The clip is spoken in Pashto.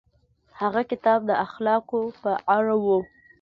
هغه کتاب د اخلاقو په اړه و.